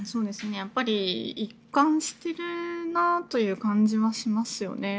やっぱり一貫しているなという感じはしますよね。